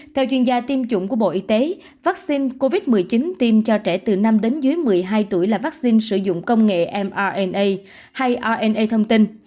theo chuyên gia tiêm chủng của bộ y tế vaccine covid một mươi chín tiêm cho trẻ từ năm đến dưới một mươi hai tuổi là vaccine sử dụng công nghệ mrna hay ona thông tin